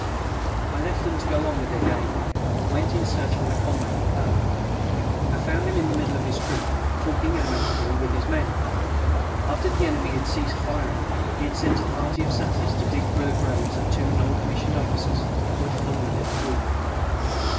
I left them to go on with their game, and went in search of my comrade O. I found him in the middle of his troop, talking amicably with his men. After the enemy had ceased firing he had sent a party of sappers to dig the graves of the two non commissioned officers who had fallen in the wood.